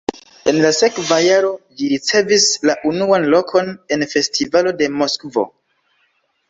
En la sekva jaro ĝi ricevis la unuan lokon en festivalo de Moskvo.